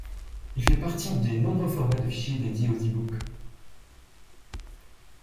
Il fait partie des nombreux formats de fichiers dédiés aux ebook.